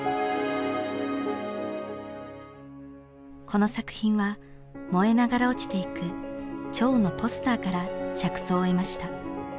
この作品は燃えながら落ちていく蝶のポスターから着想を得ました。